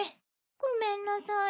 ごめんなさい。